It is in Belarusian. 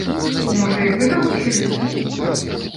Можа, і вы далучыліся?